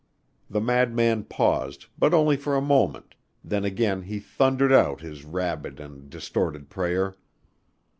'" The madman paused, but only for a moment, then again he thundered out his rabid and distorted prayer.